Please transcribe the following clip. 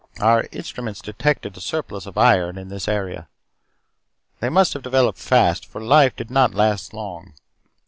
Our instruments detected a surplus of iron in this area. They must have developed fast for life did not last long.